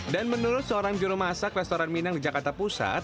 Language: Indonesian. dan menurut seorang jurumasak restoran minang di jakarta pusat